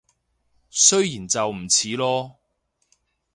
雖然就唔似囉